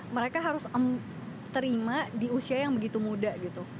mereka harus terima di usia yang begitu muda gitu